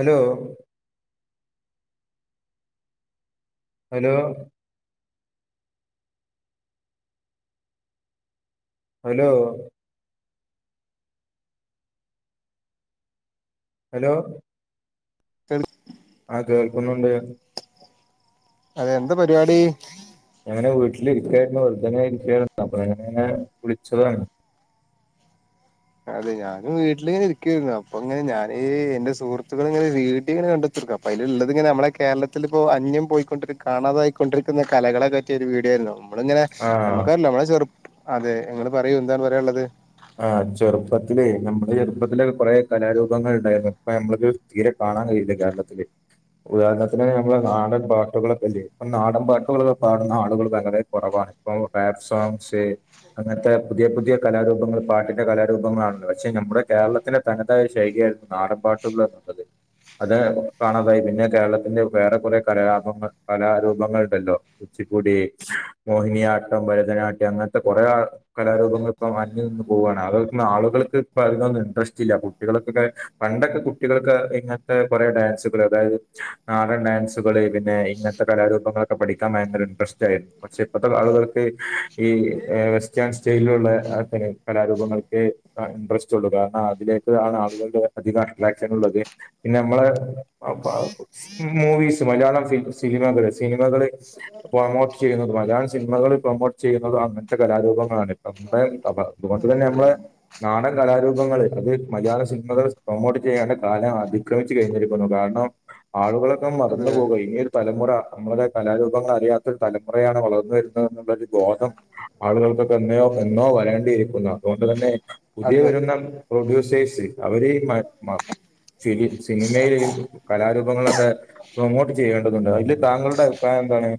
Hello hello hello hello hello അഹ് കേൾക്കുന്നുണ്ട് അതെ എന്താ പരിപാടി ഞങ്ങനെ വീട്ടിലിരിക്കായിരുന്നു വെറുതെങ്ങന ഇരിക്കയായിരുന്നു അപ്പൊ ഇങ്ങനെ വിളിച്ചതാണ് അതെ ഞാനും വീട്ടിലിങ്ങനെ ഇരിക്കുവായിരുന്നു അപ്പൊ ഇങ്ങനെ ഞാനീ എന്റെ സുഹൃത്തുക്കൾ ഇങ്ങനെ വീടിയോ ഇങ്ങനെ കണ്ട അപ്പ അതില് ഉള്ളത് ഇങ്ങന നമ്മളെ കേരളത്തിൽ ഇപ്പോ അന്യം പോയിക്കൊണ്ടി കാണാതായിക്കൊണ്ടിരിക്കുന്ന കലകളെ പറ്റിയ ഒരു വീഡിയൊ ആയിരുന്നു നമ്മള ഇങ്ങനെ ആ നമ്മുക്കല്ലോ നമ്മളെ ചെറുപ്പ അതെ നിങ്ങള് പറയൂ എന്താണ് പറയാള്ളത് ആഹ് ചെറുപ്പത്തിലേ നമ്മുടെ ചെറുപ്പത്തിലൊക്കെ കൊറെ കലാരൂപങ്ങൾ ഉണ്ടായിരുന്നു അപ്പൊ നമ്മളക്ക്‌ തീരെ കാണാൻ കഴിയില്ല കേരളത്തില് ഉദാഹരണത്തിന് നമ്മൾ നാടൻ പാട്ടുകളൊക്കെല്ലേ നാടൻ പാട്ടുകളൊക്കെ പാടുന്ന ആളുകൾ വളരെ കുറവാണ് ഇപ്പോ റാപ്പ് സോങ്സ് അങ്ങനത്തെ പുതിയ പുതിയ കലാരൂപങ്ങൾ പാട്ടിന്റെ കലാരൂപങ്ങളാണല്ല പക്ഷെ നമ്മുടെ കേരളത്തിെലെ തനതായ ശൈലി ആയിരുന്നു നാട്ടൻപാട്ടുകൾ എന്നുള്ളത് അത് കാണാതായി പിന്നെ കേരളത്തിന്റെ വേറെ കുറെ കലാപങ്ങൾ കലാരൂപങ്ങൾണ്ടല്ലോ ഉച്ചിക്കുടി മോഹിനിയാട്ടം ഭരതനാട്യം അങ്ങനത്തെ കുറെ കലാരൂപങ്ങൾ ഇപ്പം അന്യം പോവാണ് അള് ആളുകൾക്ക് ഇപ്പോ അതിനൊന്നും ഇൻട്രസ്റ്റ് ഇല്ല കുട്ടികൾക്കക്കെ പണ്ടൊക്കെ കുട്ടികൾക്ക് ഇങ്ങൻ കുറെ ഡാൻസുകൾ അതായത് നാടൻ ഡാൻസുകള് പിന്നെ ഇങ്ങനത്തെ കലാരൂപങ്ങൾ ഒക്കെ പഠിക്കാൻ ഭയങ്കര ഇൻഡ്രസ്റ്റ് ആയിരുന്നു പക്ഷേ ഇപ്പത്തെ ആളുകൾക്ക് ഈ വെസ്റ്റേൺ സ്റ്റൈലിലുള്ള ആഹ് കലാരൂപങ്ങൾക്ക് ഇൻട്രസ്റ്റ് ഉള്ളു കാരണം അതിലേക്ക് ആണ് ആളുകളുടെ അധികം അട്രാക്ഷൻ ഉള്ളത് പിന്നെ നമ്മളെ മൂവീസ് മലയാളം സിനിമകള് സിനിമകള് പ്രൊമോട്ട് ചെയ്യുന്നത് മലയാളം സിനിമകളിൽ പ്രൊമോട്ട് ചെയ്യുന്നുന്നത് അങ്ങനത്തെ കലാരൂപങ്ങളാണ് [unintelligible] അതുകൊണ്ട് തന്നെ അതെ നമ്മളെ നാടൻ കലാരൂപങ്ങൾ അത് മലയാള സിനിമകൾ പ്രൊമോട്ട് ചെയ്യേണ്ട കാലം അതി ക്രമിച്ച് കഴിഞ്ഞിരിക്കുന്നു കാരണം ആളുകളൊക്കെ മറന്നു അതെ പോകേ തലമുറ നമ്മളുടെ കലാരൂപങ്ങൾ അറിയാത്തൊരു തലമുറയാണ് വളർന്നു വരുന്നത് എന്നുള്ളൊരു ബോധം ആളുകൾക്കൊക്കെ എന്നോ എന്നോ വരേണ്ടിയിരിക്കുന്നു അതുകൊണ്ട് തന്നെ പുതിയ അതെ വരുന്ന പ്രൊഡ്യൂസേഴ്സ് അവര് ശരി സിനിമയിൽ കലാരൂപങ്ങളൊക്കെ പ്രൊമോട്ട് ചെയ്യേണ്ടതുണ്ട് അതില് താങ്കളുടെ അഭിപ്രായം എന്താണ്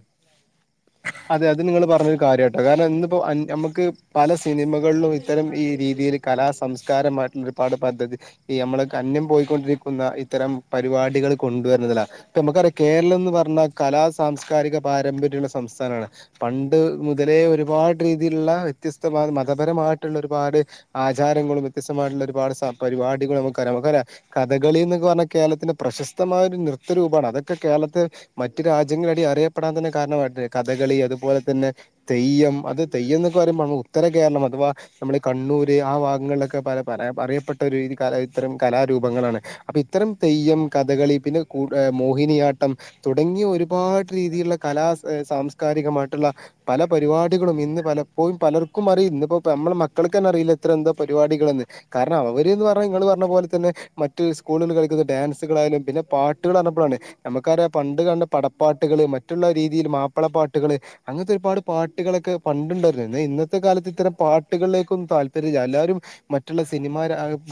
അതെ അത് നിങ്ങൾ പറഞ്ഞൊരു കാര്യാട്ടാ കാരണം ഇന്നിപ്പോ നമുക്ക് പല സിനിമകളിലും ഇത്തരം ഈ രീതിയിൽ കലാ സംസ്കാരമായിട്ടുള്ള ഒരുപാട് പദ്ധതി ഈ നമ്മള് അന്യം പോയിക്കൊണ്ടിരിക്കുന്ന ഇത്തരം പരിപാടികൾ കൊണ്ടുവരുന്നതിലാ ഇപ്പ നമുക്കറിയ കേരളം എന്ന് പറഞ്ഞ കലാ സാംസ്കാരിക പാരമ്പര്യള്ള സംസ്ഥാനമാണ് പണ്ട് മുതലേ ഒരുപാട് രീതിയിലുള്ള വ്യത്യസ്ത മതപരമായിട്ടുള്ള ഒരുപാട് ആചാരങ്ങളും വ്യത്യസ്തമായിട്ടുള്ള ഒരുപാട് സ പരിപാടികളും നമുക്ക് നമുക്കരാ കഥകളി എന്നൊക്കെ പറഞ്ഞാൽ കേരളത്തിന്റെ പ്രശസ്തമായ ഒരു നൃത്തരൂപമാണ് അതൊക്കെ കേരളത്തെ മറ്റു രാജ്യങ്ങള അടി അറിയപ്പെടാൻ തന്നെ കാരണമായിട്ടെ കഥകളി അതുപോലെ തന്നെ തെയ്യം അത് തെയ്യം എന്നൊക്കെ പറയുമ്പോ ഉത്തര കേരളം അഥവാ നമ്മള് കണ്ണൂര് ആ ഭാഗങ്ങളിലൊക്കെ പല അറിയപ്പെട്ട ഒരു കല ഇത്തരം കലാരൂപങ്ങളാണ് അപ്പൊ ഇത്തരം തെയ്യം കഥകളി പിന്നെ കുട മോഹിനിയാട്ടം തുടങ്ങിയ ഒരുപാട് രീതിയിലുള്ള കലാ സാംസ്കാരികമായിട്ടുള്ള പല പരിപാടികളും ഇന്ന് പലപ്പോഴും പലർക്കും അറിയിന്ന് ഇപ്പ നമ്മളെ മക്കൾക്ക്ന്നെ അറിയില്ല ഇത്ര എന്താ പരിപാടികളന്ന് കാരണം അവര് എന്ന് പറഞ്ഞാ നിങ്ങള് പറഞ്ഞ പോലെ തന്നെ മറ്റ് സ്കൂളിൽ കളിക്കുന്ന ഡാൻസുകളായാലും പിന്നെ പാട്ടുകൾ ആണെന്ന് പറഞ്ഞപ്പോഴാണ് നമുക്കറിയാം പണ്ട് കണ്ട് പടപ്പാട്ടുകള് മറ്റുള്ള രീതിൽ മാപ്പിളപ്പാട്ടുകള് അങ്ങനത്തെ ഒരുപാട് പാട്ടുകളൊക്കെ പണ്ടുണ്ടായിരുന്നു ഇന്നത്തെ കാലത്ത് ഇത്തരം പാട്ടുകളിലേക്കൊന്നും താല്പര്യമില്ല എല്ലാരും മറ്റുള്ള സിനിമാ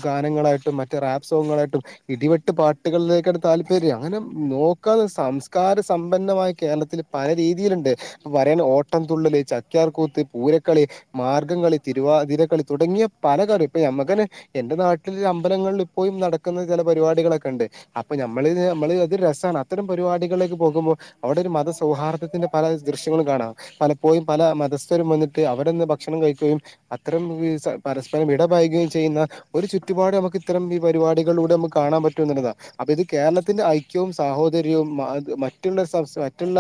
ഗാനങ്ങളായിട്ടും മറ്റ് റാപ്പ് സോങ്ങുകളായിട്ടും ഇടിവെട്ട് പാട്ടുകളി ക്കെടെ താല്പര്യം അങ്ങനെ നോക്കാ സംസ്കാര സമ്പന്നമായ കേരളത്തില് പല രീ രീതിയിലുണ്ട് പ്പ പറയാന് ഓട്ടം തുള്ളല് ചാക്കിയാർകൂത്ത് പൂരക്കളി മാർഗ്ഗം കളി തിരുവാതിര കളി തുടങ്ങിയ പല കളി ഇപ്പൊ ഞമ്മക്കെന്നെ എന്റെ നാട്ടിൽ അമ്പലങ്ങളിലിപ്പോളും നടക്കുന്ന ചെല പരിപാടികളൊക്കെണ്ട് അപ്പൊ ഞമ്മള്ത് അമ്മള് ഇ തൊരുരസാണ് അത്തരം പരിപാടികളിലേക്ക് പോകുമ്പോൾ അവിടെ ഒരു മതസൗഹാർദ്ദത്തിന്റെ പല ദൃശ്യങ്ങളും കാണാം പലപ്പോഴും പല മതസ്ഥരും വന്നിട്ട് അവട്ന്ന് ഭക്ഷണം കഴിക്കുകയും അത്തരം മൂവീസാ പരസ്പരം ഇടപഴകുകയും ചെയ്യുന്ന ഒരു ചുറ്റുപാടും നമ്മക്കിത്തരം ഈ പരിപാടികളിലൂടെ അമ്മക്ക് കാണാൻ പറ്റും എന്നുള്ളതാ അപ്പൊ ഇത് കേരളത്തിന്റെ ഐക്യവും സാഹോദര്യവും മറ്റുള്ള സംസാ മറ്റുള്ള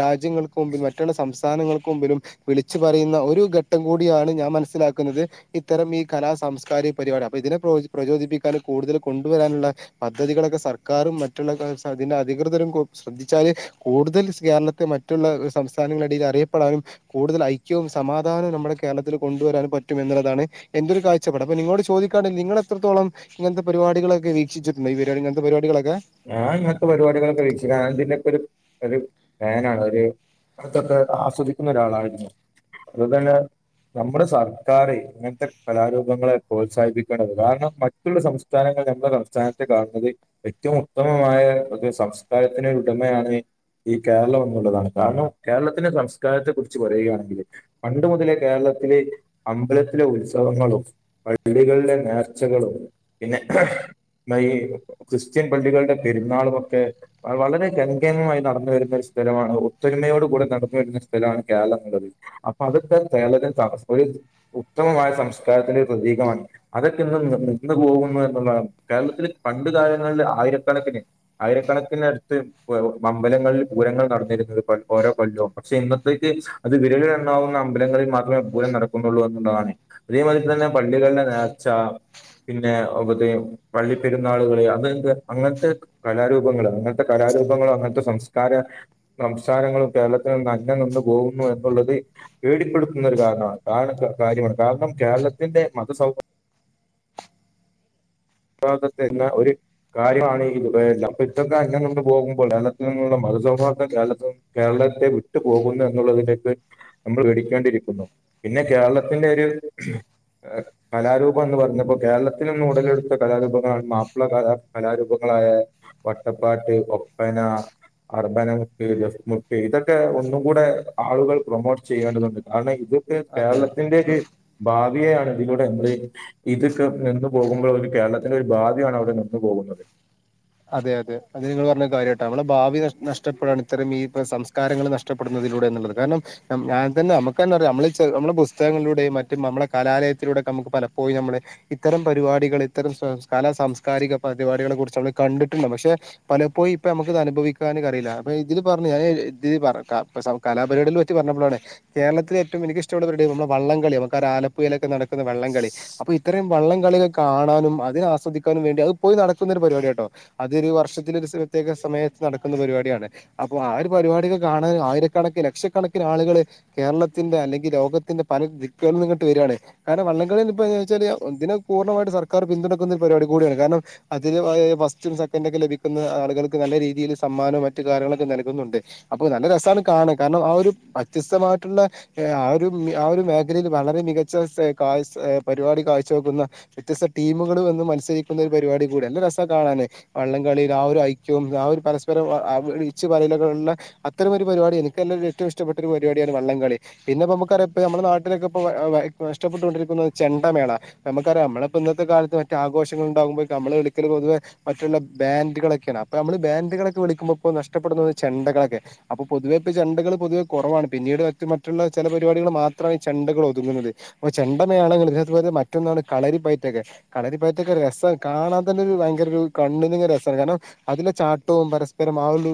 രാ ജ്യങ്ങൾക്കു മുമ്പിലും മറ്റുള്ള സംസ്ഥാനങ്ങൾക്ക് മുമ്പിലും വിളിച്ചു പറയുന്ന ഒരു ഘട്ടം കൂടിയാണ് ഞാൻ മനസ്സിലാക്കുന്നത് ഇത്തരം ഈ കലാ സാംസ്കാരിക പരിപാടി അപ്പൊതിനെ പ്രോൽ പ്രചോദിപ്പിക്കാനും കൂടുതല് കൊണ്ടുവരാനുള്ള പദ്ധതികളൊക്കെ സർക്കാറും മറ്റുള്ള അതിന്റെ അധികൃതരും ശ്രദ്ധിച്ചാലെ കൂടുതൽ കേരളത്തെ മറ്റുള്ള സംസ്ഥാനങ്ങളുടെൽ അറിയപ്പെടാനും കൂടുതൽ ഐക്യവും സമാധാനവും നമ്മുടെ കേരളത്തില് കൊണ്ടുവരാന് പറ്റും എന്നുള്ളതാണ് എന്റൊരു കാഴ്ചപ്പാട് അപ്പ നിങ്ങളോട് ചോദിക്കാണേൽ നിങ്ങളെത്രത്തോളം ഇങ്ങൻത്തെ പരിപാടികളൊക്കെ വീക്ഷിച്ചിട്ടുണ്ടോ ഈ പരിപാടി ഇങ്ങൻത്തെ പരിപാടികളൊക്കെ ഞാൻ ഇങ്ങനത്തെ പരിപാടികളൊക്കെ വീക്ഷിക്കാൻ ഇതിന്റെക്കൊരു ഫാനാണ് ഒരു ഇങ്ങെനത്തൊക്കെ ആസ്വദിക്കുന്ന ഒരാളായിരുന്നു അതുതന്നെ നമ്മുടെ സർക്കാര് ഇങ്ങൻത്തെ കലാരൂപങ്ങളെ പ്രോത്സാഹിപ്പിക്കണം കാരണം മറ്റുള്ള സംസ്ഥാനങ്ങൾ നമ്മളെ സംസ്ഥാനത്തെ കാണുന്നത് ഏറ്റവും ഉത്തമമായ ഒരു സംസ്കാരത്തിന് ഉടമയാണ് ഈ കേരളം എന്നുള്ളതാണ് കാരണം കേരളത്തിന്റെ സംസ്കാരത്തെ കുറിച്ച് പറയുവാണെങ്കില് പണ്ട് മുതലേ കേരളത്തില് അമ്പലത്തിലെ ഉത്സവങ്ങളും പള്ളികളിലെ നേർച്ചകളും പിന്നെ മ യി ക്രിസ് സ്ത്യൻ പള്ളികളുടെ പെരുന്നാളുംമൊക്കെ വളരെ കങ്കേമമായി നടന്നു വരുന്ന ഒരു സ്ഥലമാണ് ഒത്തൊരുമയോട് കൂടെ നടന്നു വരുന്ന സ്ഥലമാണ് കേരളം എന്നുള്ളത് അപ്പൊ അതൊക്കെ കേരളത്തിൽ തപസ് ഒരു ഉത്തമമായ സംസ്കാരത്തിന്റെ ഒരു പ്രതീകമായി അതൊക്കെ ഇന്ന് നിന്നു പോകുന്നു എന്നുള്ളതാണ് കേരളത്തിലെ പണ്ട് കാലങ്ങളിലെ ആയിരക്കണക്കിന് ആയിരക്കണക്കിനടുത്ത് അമ്പലങ്ങളില് പൂരങ്ങൾ നടന്നിരുന്നു പൺ ഓരോ കൊല്ലോം പക്ഷെ ഇന്നത്തേക്ക് അതേ വിരലിലെണ്ണാവുന്ന അമ്പലങ്ങളിൽ മാത്രമേ പൂരം നടക്കുന്നൊള്ളൂ എന്നുള്ളതാണ് അതേ മാതിരി തന്നെ പള്ളികളിലെ നേർച്ച പിന്നെ അവ്ത് പള്ളിപ്പെരുന്നാളുകള് അന്ന് അങ്ങൻത്തെ കലാരൂപങ്ങള് അങ്ങൻത്തെ കലാരൂപങ്ങളോ അങ്ങൻത്തെ സംസ്കാര സംസാരങ്ങളും കേരളത്തിൽ നിന്ന് അന്ന്യം നിന്നു പോകുന്നു എന്നുള്ളത് പേടിപ്പെടുത്തുന്ന ഒരു കാരണമാണ് കാരണ കാര്യമാണ് കാരണം കേരളത്തിന്റെ മതസൗ ഹാർദത്തെന്ന് ഒരി കാര്യമാണ് [unintelligible] ഇപ്പിത്തൊക്കെ അന്യം നിന്ന് പോകുമ്പോൾ കേരളത്തിൽ നിന്നുള്ള മതസൗഹാർദ്ദം കേരളത്തിൽ നിന്നും കേരളത്തെ വിട്ടു പോകുന്നു എന്നുള്ളതിലേക്ക് നമ്മൾ പേടിക്കേണ്ടിരിക്കുന്നു പിന്നെ കേരളത്തിന്റെ ഒരു കലാരൂപം എന്ന് പറഞ്ഞപ്പൊ കേരളത്തിലിന്നും ഉടലെടുത്ത് കലാരൂപങ്ങളാണ് മാപ്പിള കല കലാരൂപങ്ങളായ വട്ടപ്പാട്ട്, ഒപ്പന അർബന മുട്ട്, ദഫ്മുട്ട് ഇതൊക്കെ ഒന്നും കൂടെ ആളുകൾ പ്രൊമോട്ട് ചെയ്യേണ്ടതുണ്ട്. കാരണം ഇത് ത് അതെ കേരളത്തിന്റെര് ഭാവിയെയാണ് ഇതിലൂടെ അമ്മള് ഇത്ക്കെ നിന്ന് പോകുമ്പോളൊരു കേരളത്തിന്റെ ഒരു ഭാവിയാണ് അവടെ നിന്നു പോകുന്നത്. അതെ അതെ അത് നിങ്ങള് പർഞ്ഞെ കാര്യാട്ടാ അമ്മളെ ഭാവിനഷ് നഷ്ടപ്പെടാണ് ഇത്തരം ഈ പ സംസ്കാരങ്ങള് നഷ് ടപ്പെടുന്നതിലൂടെ എന്ന്ള്ളത്. കാരണം ഞം ഞാൻ തന്നെ അമുക്കെന്നറിയാ അമ്മള് ചെറ് അമ്മള് പുസ്തകങ്ങളിലൂടെയും മറ്റും നമ്മളെ കലാലയത്തിലൂടൊക്കെ അമ്മുക്ക് പലപ്പോഴും ഞമ്മെളെ ഇത്തരം പരിപാടികള് ഇത്തരം സംസ് കലാ സാംസ്കാരിക പരിപാടികളെ കുറിച്ചമ്മള് കണ്ടിട്ടുണ്ടാവും പക്ഷെ പലപ്പോഴും ഇപ്പൊ ഞമുക്ക് ഇത് അനുഭവിക്കാനുംകറിയില്ല അപ്പൊ ഇതില് പർഞ്ഞ് ഞാന് ഇതില് പറ ക പ സൗ കലാപരിപാടില് പറ്റി പറഞ്ഞപ്പളാണ് കേരളത്തില് ഏറ്റവും എനിക്ക് ഇഷ്ടുള്ള പരിപാടി നമ്മടെ വള്ളംകളിയാ നമുക്ക് ആലപ്പുയിലൊക്കെ നട ക്കുന്ന വള്ളം കളി അപ്പൊ ഇ ത്തരം വള്ളം കളികൾ കാണാനും അതിനെ ആസ്വദിക്കാനും വേണ്ടി അത് ഇപ്പോഴും നടത്തുന്ന ഒരു പരിവാടിയാട്ടോ അതൊരു വർഷത്തില് സ് ഒരു പ്രത്യേക സമയത്ത് നടക്കുന്ന പരിപാടിയാണ്. അപ്പൊ ആ ഒരു പരുവാടിക്കെ കാണാൻ ആയിരക്കണക്കിന് ലക്ഷക്കണക്കിന് ആളുകള് കേരളത്തിന്റെ അല്ലെങ്കി ലോകത്തിന്റെ പല ദിക്കുകൾന്നുംങ്ങട്ട് വെരാണ്. കാരണം വള്ളംകളിർഞ്ഞ് ഇപ്പങ്ങനെ വെച്ചാല് ഇതിന് പൂർണമായിട്ട് സർക്കാർ പിന്തുണക്കുന്നൊര് പരിവാടി കൂടിയാണ് കാരണം അതിന് വ ഫസ്റ്റും സെക്കൻഡും ഒക്കെ ലഭിക്കുന്ന ആളുകള്ക്ക് നല്ല രീതിയില് സമ്മാനവും മറ്റ് കാര്യങ്ങളൊക്കെ നൽകുന്നുണ്ട്. അപ്പൊ നല്ല രസാണ് കാണാൻ. കാരണം ആ ഒരു വ്യത്യസ്തമായിട്ടുള്ളെ ഹേ, ആ ഒരു മി ആ ഒരു മേഖലയിൽ വളരെ മികച്ച സേ കാഴ് ഏഹ്, പരിവാടി കാഴ്ചവെക്കുന്ന വ്യത്യസ്ത ടീമുകള് വന്ന് മത്സരിക്കുന്ന ഒരു പരിവാടി കൂടിയാ നല്ല രസാ കാണാന്. വള്ളംകളിയില് ആ ഒരു ഐക്യവും ആ ഒരു പരസ്പരം ആ ആ വിളിച്ച് പറയലൊക്കെ ഒള്ളെ അത്തരമൊരു പരുവാടി എനിക്ക് എന്നൊരു ഏറ്റവും ഇഷ്ടപ്പെട്ടൊരു പരുവാടിയാണ് വള്ളംകളി. പിന്നെ പ്പം അമ്മുക്കറിയ പ്പം ഞമ്മളെ നാട്ടിലൊക്കെ പ്പം വ വ എഹ് നഷ്ടപ്പെട്ടൊണ്ടിരിക്കുന്നത് ചെണ്ടമേളാ പ്പ അമ്മക്കറിയാം അമ്മള് പ്പം ന്നത്തെ കാൽത്ത് മറ്റെ ആഘോഷങ്ങള്ണ്ടാകുമ്പോഴേക്ക് അമ്മള് വിളിക്കല് പൊതുവെ മറ്റുള്ള ബാൻഡുകളൊക്കെയാണ് അപ്പൊ ഞമ്മള് ബാൻഡുകളൊക്കെ വിളിക്കുമ്പൊ ഇപ്പൊ നഷ്ടപ്പെടുന്നത് ചെണ്ടകളൊക്കെ അപ്പൊ പൊതുവേ ഇപ്പ ചെണ്ടകള് പൊതുവേ കൊറവാണ് പിന്നീട് മറ്റു മറ്റുള്ള ചെല പരുവാടികള് മാത്രായി ചെണ്ടകളൊതുങ്ങുന്നത്. അപ്പം ചെണ്ടമേ [unintelligible] പോലെ മറ്റൊന്നാണ് കളരിപ്പയറ്റൊക്കെ കളരിപ്പയറ്റൊക്കെ രസാ കാണാൻ തന്നൊരു ഭയങ്കരൊരു കണ്ണിനിങ്ങെ രസാണ്. കാരണം അതിലെ ചാട്ടവും പരസ്പരം ആ ഒരു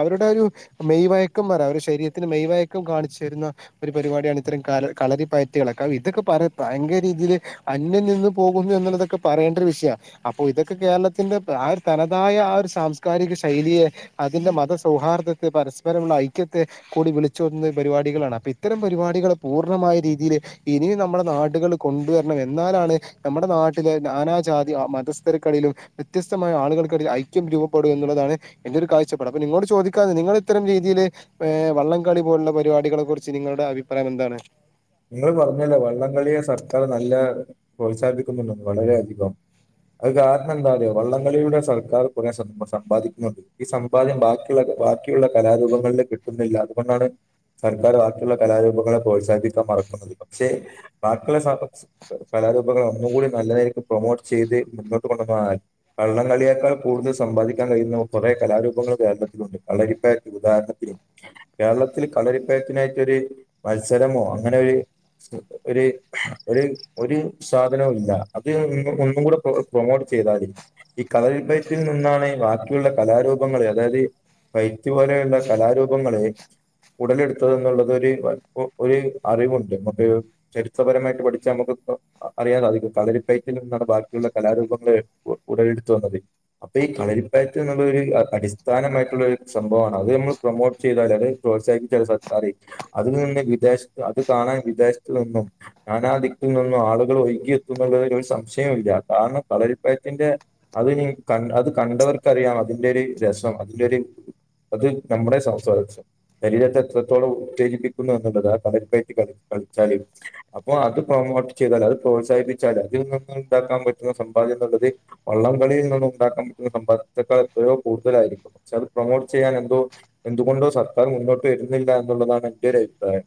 അവരുടെ ഒരു മെയ് വയക്കം പറാ ഒരു ശരീരത്തിന് മെയ് വയക്കം കാണിച്ചു തരുന്ന ഒരു പരുവാടിയാണ് ഇത്തരം കാല കളരിപ്പയറ്റുകളൊക്കെ ഇതൊക്കെ പറയാ ഭയങ്കര രീതിയില് അന്യം നിന്ന് പോകുന്നു എന്നുള്ളതൊക്കെ പറയേണ്ട ഒരു വിഷയാ, അപ്പൊ ഇതൊക്കെ കേരള ത്തിന്റെ ആ ഒരു തനതായ ആ ഒരു സാംസ്കാരിക ശൈലിയെ അതിന്റെ മത സൗഹാർദ്ദത്തെ പരസ്പരമുള്ള ഐക്യത്തെ കൂടി വിളിച്ചോതുന്ന ഒരു പരുവാടികളാണ്. അപ്പൊ ഇത്തരം പരുവാടികള് പൂർണ്ണമായ രീതിയില് ഇനിയും നമ്മളെ നാട്കള് കൊണ്ടുവരണം എന്നാലാണ് നമ്മടെ നാട്ടിലെ നാനാജാതി അ മതസ്ഥരക്കടയിലും വ്യത്യസ്തമായ ആളുകൾക്കിടെ ഐക്യം രൂപപ്പെടും എന്നുള്ളതാണ് എന്റെ ഒരു കാഴ്ചപ്പാട്, അപ്പൊ നിങ്ങളോട് ചോദിക്കാന്ന് നിങ്ങള് ഇത്തരം രീതിയില് ഇപ്പേ വള്ളംകളി പോലുള്ള പരുവാടികളെ കുറിച്ച് നിങ്ങളുടെ അഭിപ്രായം എന്താണ്. നിങ്ങള് പറഞ്ഞല്ലോ വള്ളംകളിയെ സർക്കാർ നല്ല പ്രോത്സാഹിപ്പിക്കുന്നുണ്ടെന്ന് വളരെെയധികം അത് കാരണം എന്താറിയോ വള്ളംകളിയുടെ സർക്കാർ കൊറെ സംബ സമ്പാദിക്കുന്നുണ്ട്. ഈ സമ്പാദ്യം ബാക്കിയുള്ള ബാക്കിയുള്ള കലാരൂപങ്ങളില് കിട്ടുന്നില്ല അതുകൊണ്ടാണ് സർക്കാര് വാക്കിയുള്ള കലാരൂപങ്ങളെ പ്രോത്സാഹിപ്പിക്കാൻ മറക്കുന്നത്. പക്ഷെ ബാക്കിയുള്ള സ [unintelligible] കലാരൂപങ്ങൾ ഒന്നുംകൂടി നല്ലതായിരിക്കും പ്രൊമോട്ട് ചെയ്ത് മുന്നോട്ട് കൊണ്ടുപോന്നാൽ. വള്ളംകളിയേക്കാൾ കൂടുതൽ സമ്പാദിക്കാൻ കഴിയുന്ന കുറേ കലാരൂപങ്ങൾ കേരളത്തിലുണ്ട്. കളരിപ്പയറ്റ് ഉദാഹരണത്തിന്. കേരളത്തിൽ കളരിപ്പയറ്റിനായിട്ടൊരു മത്സരമോ അങ്ങനെ ഒരു ഒര് ഒര് ഒര് സാധനവും ഇല്ല. അത് ഒന്നും കൂടെ പ്രൊമോട്ട് ചെയ്താല്. ഈ കളരിപ്പയറ്റിൽ നിന്നാണ് ബാക്കിയുള്ള കലാരൂപങ്ങൾ അതായത് വൈത്യ പോലെയുള്ള കലാരൂപങ്ങളെ ഉടലെടുത്തത് എന്നുള്ളത് ഒര് ഒര് അറിവുണ്ട്. മ്മക്ക് ചരിത്രപരമായിട്ട് പഠിച്ചാൽ മ്മക്ക് ഇപ്പ അറിയാതെ അധികം കളരിപ്പയറ്റിൽ നിന്നാണ് ബാക്കിയുള്ള കലാരൂപങ്ങൾ ഉടലെടുത്ത് വന്നത്. അപ്പൊ ഈ കളരിപ്പയറ്റ് എന്നുള്ളരു അടിസ്ഥാനമായിട്ടുള്ള ഒരു സംഭവമാണ്. അത് നമ്മൾ പ്രൊമോട്ട് ചെയ്താൽ അത് പ്രോത്സാഹിപ്പിച്ച സർക്കാര് അതിൽ നിന്ന് വിദേശത്ത് അത് കാണാൻ വിദേശത്തു നിന്നും നാനാ ദിക്കിൽ നിന്നും ആളുകൾ ഒഴുകിയെത്തുന്നള്ള ഒരു സംശയവും ഇല്ല. കാരണം കളരിപ്പയറ്റിന്റെ അത് ഇനി കണ്ട അത് കണ്ടവർക്കറിയാം അതിന്റെ ഒരു രസം. അതിന്റെ രു അത് നമ്മുടെ സംസാരം ശരീരത്തെ എത്രത്തോളം ഉത്തേജിപ്പിക്കുന്നു എന്നുള്ളതാണ് പ പേടിപ്പിക്കാതെ കളിച്ചാല് അപ്പൊ അത് പ്രൊമോട്ട് ചെയ്താല് അത് പ്രോത്സാഹിപ്പിച്ചാല് അതിൽ നിന്ന് ങ്ങൾക് ഉണ്ടാക്കാൻ പറ്റുന്ന സമ്പാദ്യം എന്നുള്ളത് വള്ളംകളിയിൽ നിന്നും ഉണ്ടാക്കാൻ പറ്റുന്ന സമ്പാദ്യത്തേക്കാൾ എത്രയോ കൂടുതലായിരിക്കും. പക്ഷെ അത് പ്രൊമോട്ട് ചെയ്യാൻ എന്തോ എന്തുകൊണ്ടോ സർക്കാർ മുന്നോട്ട് വരുന്നില്ല എന്നുള്ളതാണ് എന്റെ ഒരു അഭിപ്രായം.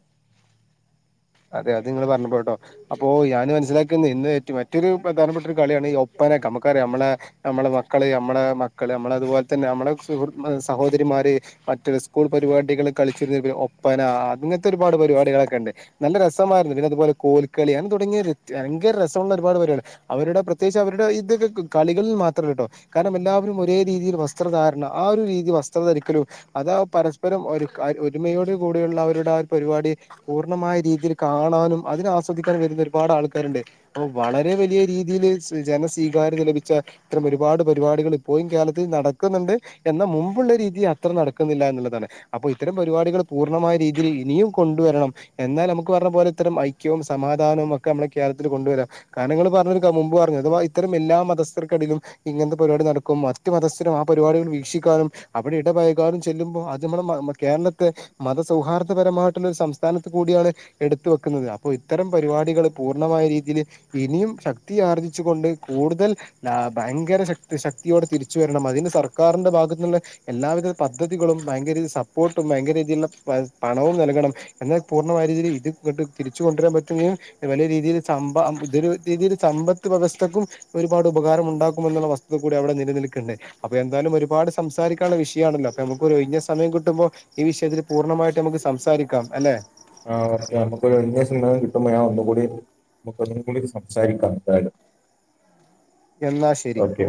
അതെ അത് നിങ്ങൾ പറഞ്ഞപ്പോ ട്ടോ. അപ്പോ ഞാൻ മനസ്സിലാക്കുന്ന ഇന്ന് ഏറ്റവും മറ്റൊരു പ്രധാനപ്പെട്ട ഒരു കളിയാണ് ഈ ഒപ്പന. മ്മക്കറിയ നമ്മളെ നമ്മളെ മക്കള് നമ്മളെ മക്കള് നമ്മള തുപോലെതന്നെ നമ്മളെ സുഹൃ സഹോദരിമാര്. മറ്റരു സ്കൂൾ പരിപാടികൾ കളിച്ചിരു ഒപ്പന അങ്ങനത്തെ ഒരുപാട് പരിപാടികളൊക്കെ ണ്ട്. നല്ല രസമായിരുന്നു. പിന്നെ അതുപോലെ കോൽക്കളി അങ്ങനെ തുടങ്ങിയ ഭയങ്കര രസമുള്ള ഒരുപാട് പരുപാടിയാ. അവരുടെ പ്രത്യേകിച്ച് അവരുടെ ഇതൊക്കെ കളികളിൽ മാത്രല്ല ട്ടോ. കാരണം എല്ലാവരും ഒരേ രീതിയിൽ വസ്ത്രധാരണ. ആഹ് ഒരു രീതി വസ്ത്ര ധരിക്കലും അതാ പരസ്പരം ഒര് ഒരുമയോട് കൂടിയുള്ള അവരുടെ ആഹ് പരിപാടി പൂർണ്ണമായി രീതിയിൽ കാണാനും അതിന് ആസ്വദിക്കാൻ വരുന്ന ഒരുപാട് ആൾക്കാരുണ്ട്. പ്പൊ വളരെ വലിയ രീതിയില് ജന സ്വീകാര്യത ലഭിച്ച ത്തരം ഒരുപാട് പരിപാടികൾ ഇപ്പോഴും കേരളത്തിൽ നടക്കുന്നുണ്ട്. എന്നാ മുമ്പുള്ള രീതി അത്ര നടക്കുന്നില്ലാ എന്നുള്ളതാണ്. അപ്പൊ ഇത്തരം പരിപാടികൾ പൂർണ്ണമായ രീതിയിൽ ഇനിയും കൊണ്ടുവരണം. എന്നാ നമുക്ക് പ്പ പറഞ്ഞ പോലെ ഇത്തരം ഐക്യവും സമാധാനവും ഒക്കെ നമ്മളെ കേരളത്തില് കൊണ്ടുവരാം. കാരണം ങ്ങൾ പറഞ്ഞൊരു മുമ്പ് പറഞ്ഞു. ഇത്തരം എല്ലാ മതസ്ഥർക്കടയിലും ഇങ്ങനത്തെ പരിപാടി നടക്കും. മറ്റു മതസ്ഥരും ആ പരിപാടികൾ വീക്ഷിക്കാനും അവിടെ ഇടപൈകാനും ചെല്ലുമ്പോ അത് മ്മളെ മ്മ കേരളത്തെ മത സൗഹാർദ്ദപരമായിട്ടുള്ള ഒരു സംസ്ഥാനത്ത് കൂടിയാണ്. എടുത്ത് വെക്കുന്നത്. അപ്പോ ഇത്തരം പരിപാടികൾ പൂർണ്ണമായ രീതിയിൽ ഇനിയും ശക്തി ആർജിച്ചു കൊണ്ട് കൂടുതൽ ആഹ് ഭയങ്കര ശക്തി ശക്തിയോടെ തിരിച്ച് വരണം. അതിന് സർക്കാറിന്റെ ഭാഗത്ത്ന്ന് എല്ലാവിധ പദ്ധതികളും ഭയങ്കരീതിൽ സപ്പോർട്ടും ഭയങ്കര രീതിയിലുള്ള പണവും നൽകണം. എന്നാൽ പൂർണമായി രീതിയിൽ ഇത് ഇങ്ങട്ട് തിരിച്ച് കൊണ്ട്രാൻ പറ്റുള്ളൂ. വലിയ രീതിയിൽ രീതിൽ സമ്പത്ത് വ്യവസ്ഥക്കും പ്പൊ ഒരുപാട് ഉപകാരം ഉണ്ടാക്കുമെന്നുള്ള വസ്തു കൂടി അവിടെ നിലനിൽക്കണ്ടെ. അപ്പൊ എന്തായാലും ഒരുപാട് സംസാരിക്കാനുള്ള വിഷയാണല്ലോ. അപ്പൊ നമുക്ക് ഒരു ഒഴിഞ്ഞ സമയം കിട്ടുമ്പോ ഈ വിഷയത്തില് പൂർണ്ണമായിട്ട് നമുക്ക് സംസാരിക്കാം. അല്ലെ. ആഹ് ഓക്കെ. നമുക്ക് ഒരു ഒഴിഞ്ഞ സന്തർഭം കിട്ടുബോ യാ ഒന്നുകൂടി നമുക് ഒന്നിനും കൂടി സംസാരിക്കാം എന്തായാലും എന്നാ ശരി ഓക്കെ